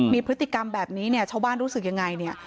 มีพฤติกรรมแบบนี้เนี่ยชาวบ้านรู้สึกยังไงเนี่ย